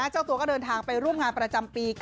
เจ้าตัวก็เดินทางไปร่วมงานประจำปี๙